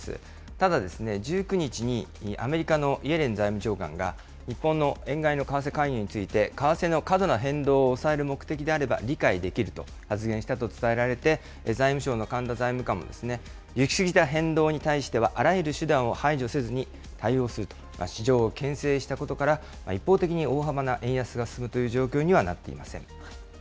ただ、１９日にアメリカのイエレン財務長官が、日本の円買いの為替介入について為替の過度な変動を抑える目的であれば理解できると発言したと伝えられて、財務省の神田財務官も行き過ぎた変動に対しては、あらゆる手段を排除せずに、対応すると、市場をけん制したことから、一方的に大幅な円安が進むという状況にはなっていません。